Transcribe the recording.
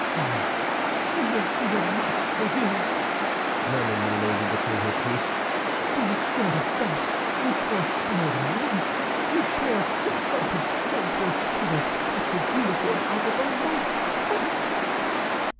"Oh, I will be a match for you!" murmured Milady, between her teeth; "be assured of that, you poor spoiled monk, you poor converted soldier, who has cut his uniform out of a monk's frock!"